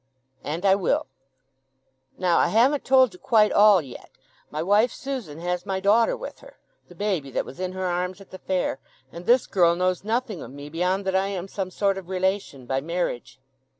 "And I will." "Now, I haven't told you quite all yet. My wife Susan has my daughter with her—the baby that was in her arms at the fair; and this girl knows nothing of me beyond that I am some sort of relation by marriage.